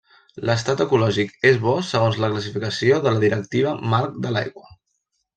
L'estat ecològic és Bo segons la classificació de la Directiva Marc de l’Aigua.